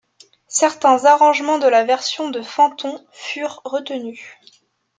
Certains arrangements de la version de Fenton furent retenus.